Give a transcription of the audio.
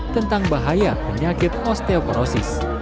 tentang bahaya penyakit osteoporosis